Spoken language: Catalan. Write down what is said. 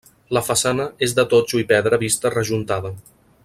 La façana és de totxo i pedra vista rejuntada.